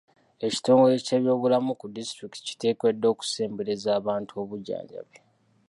Ekitongole ky'ebyobulamu ku disitulikiti kiteekeddwa okusembereza abantu obujjanjabi.